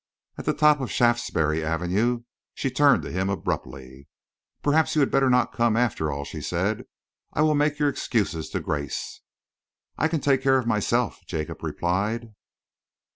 At the top of Shaftesbury Avenue she turned to him abruptly. "Perhaps you had better not come, after all," she said. "I will make your excuses to Grace." "I can take care of myself," Jacob replied.